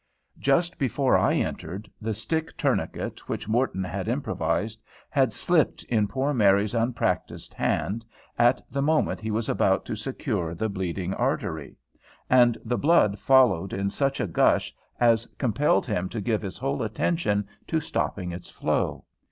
Just before I entered, the stick tourniquet which Morton had improvised had slipped in poor Mary's unpractised hand, at the moment he was about to secure the bleeding artery, and the blood followed in such a gush as compelled him to give his whole attention to stopping its flow.